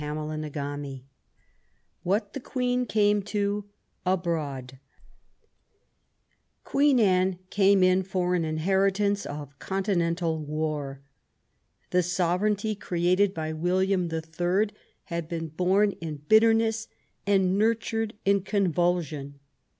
CHAPTER III WHAT THE QUEEN CAME TO ABBOAD Queen Anne came in for an inheritance of conti nental war. The sovereignty created by William the Third had been bom in bitterness and nurtured in convulsion.